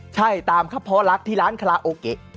ใช่ตามครับเพราะรักที่ร้านคลาโอเค